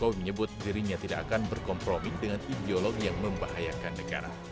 jokowi menyebut dirinya tidak akan berkompromi dengan ideologi yang membahayakan negara